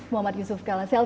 muhammad yusuf kalasel